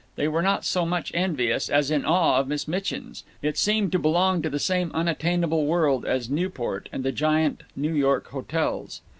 They were not so much envious as in awe of Miss Mitchin's; it seemed to belong to the same unattainable world as Newport and the giant New York hotels.